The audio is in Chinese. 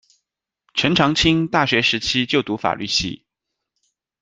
陈长青大学时期就读法律系。